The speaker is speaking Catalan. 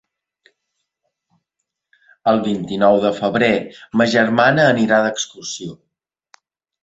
El vint-i-nou de febrer ma germana anirà d'excursió.